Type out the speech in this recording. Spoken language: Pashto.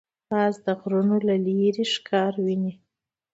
باز د غرونو له لیرې ښکار ویني